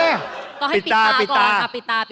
ก็ให้ปิดตาก่อนค่ะปิดตาปิด